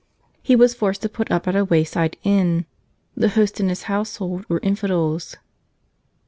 He was forced to put up at a way side inn. The host and his household were infidels.